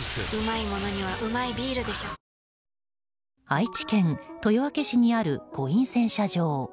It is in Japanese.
愛知・豊明市にあるコイン洗車場。